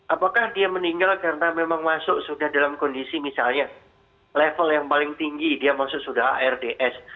apakah dia meninggal karena memang masuk sudah dalam kondisi misalnya level yang paling tinggi dia masuk sudah ards